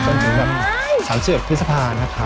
จนถึงแบบสามเสือบพฤษภานะครับ